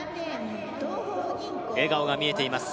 笑顔が見えています